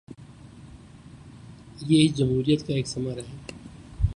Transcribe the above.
یہ اس جمہوریت کا ایک ثمر ہے۔